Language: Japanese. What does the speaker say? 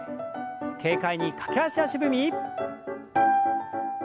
軽快に駆け足足踏み。